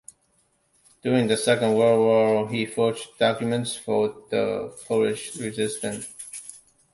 During the Second World War he forged documents for the Polish resistance.